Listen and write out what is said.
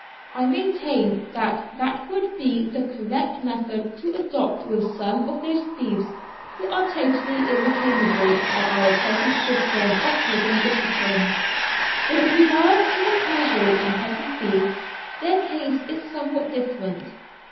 I maintain that that would be the correct method to adopt with some of those thieves who are totally irreclaimable by our present system of prison discipline. With regard to the casual and petty thieves, their case is somewhat different.